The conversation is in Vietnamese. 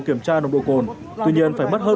kiểm tra nồng độ cồn tuy nhiên phải mất hơn